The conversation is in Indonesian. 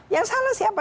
yang salah siapa